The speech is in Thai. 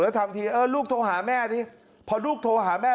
ทำทีเออลูกโทรหาแม่สิพอลูกโทรหาแม่